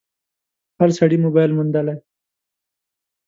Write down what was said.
هر سړي موبایل موندلی